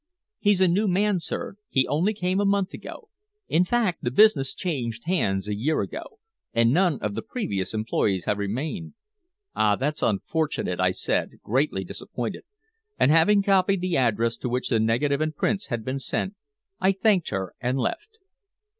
"He's a new man, sir. He only came a month ago. In fact, the business changed hands a year ago, and none of the previous employees have remained." "Ah! that's unfortunate," I said, greatly disappointed; and having copied the address to which the negative and prints had been sent, I thanked her and left.